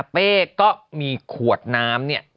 เป้ก็มีขวดน้ำ